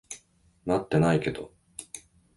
持ってないけど。